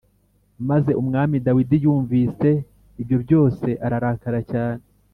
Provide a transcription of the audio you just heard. Maze Umwami Dawidi yumvise ibyo byose ararakara cyane.